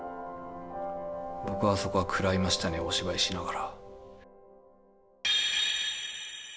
僕はそこは食らいましたねお芝居しながら。